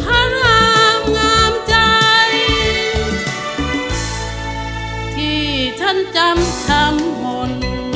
พระรามงามใจที่ฉันจำคำหมนต์